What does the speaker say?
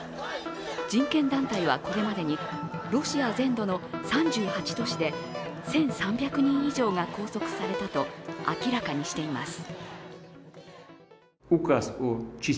人権団体はこれまでにロシア全土の３８都市で１３００人以上が拘束されたと明らかにしています。